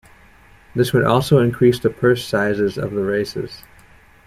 This would also increase the purse sizes of the races.